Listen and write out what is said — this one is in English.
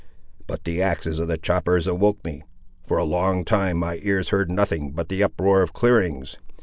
But the axes of the choppers awoke me. For a long time my ears heard nothing but the uproar of clearings.